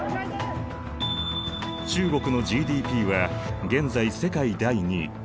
中国のＧＤＰは現在世界第２位。